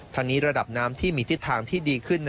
ทั้งนี้ระดับน้ำที่มีทิศทางที่ดีขึ้น